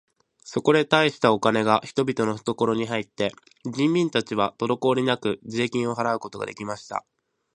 そこで大したお金が人々のふところに入って、人民たちはとどこおりなく税金を払うことが出来ました。